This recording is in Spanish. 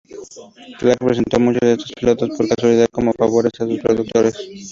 Clark presentó muchos de estos pilotos "por casualidad" como favores a sus productores.